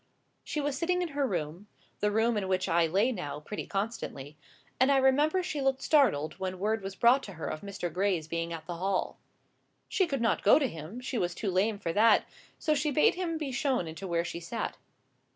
She was sitting in her room—the room in which I lay now pretty constantly—and I remember she looked startled, when word was brought to her of Mr. Gray's being at the Hall. She could not go to him, she was too lame for that, so she bade him be shown into where she sat.